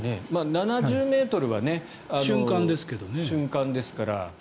７０ｍは瞬間ですから。